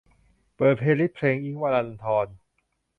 เปิดเพลย์ลิสต์เพลงอิ๊งค์ วรันธร